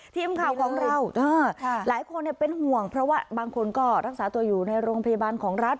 ทีมข่าวของเราหลายคนเป็นห่วงเพราะว่าบางคนก็รักษาตัวอยู่ในโรงพยาบาลของรัฐ